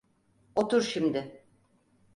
Otur şimdi.